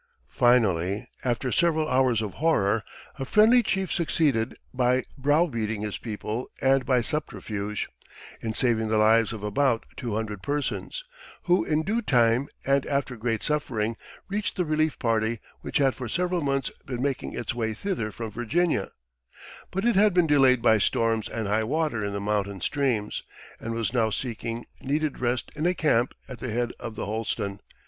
Finally, after several hours of horror, a friendly chief succeeded, by browbeating his people and by subterfuge, in saving the lives of about two hundred persons, who in due time and after great suffering, reached the relief party which had for several months been making its way thither from Virginia; but it had been delayed by storms and high water in the mountain streams, and was now seeking needed rest in a camp at the head of the Holston.